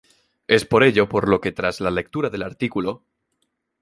es por ello por lo que tras la lectura del artículo